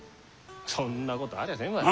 そんなことありゃせんわい。